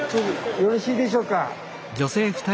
よろしいでしょうか。